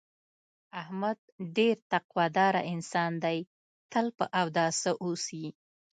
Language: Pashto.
احمد ډېر تقوا داره انسان دی، تل په اوداسه اوسي.